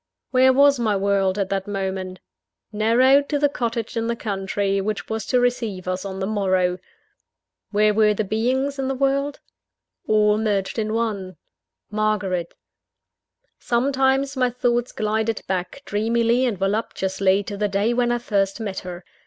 Where was my world, at that moment? Narrowed to the cottage in the country which was to receive us on the morrow. Where were the beings in the world? All merged in one Margaret. Sometimes, my thoughts glided back, dreamily and voluptuously, to the day when I first met her.